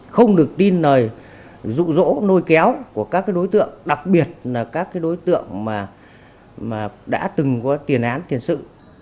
không được tin lời rụ rỗ lôi kéo của các đối tượng đặc biệt là các đối tượng mà đã từng có tiền án tiền sự